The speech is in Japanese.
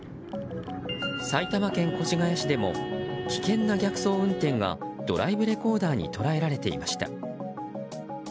埼玉県越谷市でも危険な逆走運転がドライブレコーダーに捉えられていました。